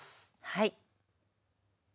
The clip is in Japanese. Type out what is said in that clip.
はい。